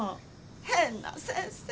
変な先生。